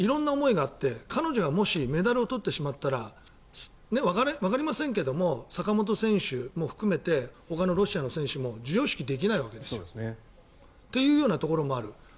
色んな思いがあって彼女がもしメダルを取ってしまったらわかりませんけれど坂本選手も含めてほかのロシアの選手も授与式ができないわけですよ。というようなところもある。